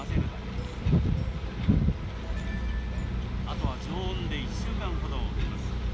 あとは常温で１週間ほど置きます。